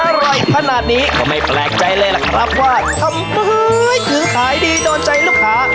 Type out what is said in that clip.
อร่อยขนาดนี้ก็ไม่แปลกใจเลยล่ะครับว่าทำไมถึงขายดีโดนใจลูกค้า